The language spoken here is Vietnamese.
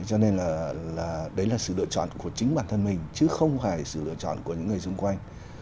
cho nên là đấy là sự lựa chọn của chính bản thân mình chứ không phải sự lựa chọn của những người xung quanh